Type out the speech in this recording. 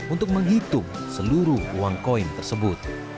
untuk menghitung seluruh uang koin tersebut